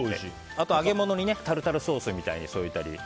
あと、揚げ物にタルタルソースみたいにして添えたり。